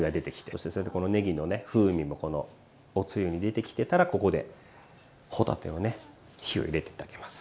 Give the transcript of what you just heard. そしてこのねぎのね風味もおつゆに出てきてたらここで帆立てをね火を入れてってあげます。